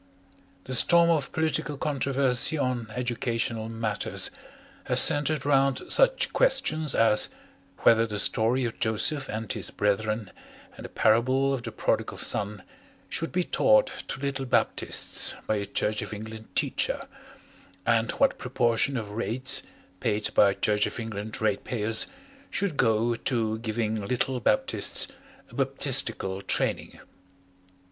The storm of political controversy on educational matters has centred round such questions as whether the story of Joseph and his Brethren and the Parable of the Prodigal Son should be taught to little Baptists by a Church of England teacher, and what proportion of rates paid by Church of England ratepayers should go to giving little Baptists a Baptistical training.